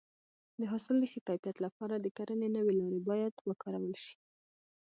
د حاصل د ښه کیفیت لپاره د کرنې نوې لارې باید وکارول شي.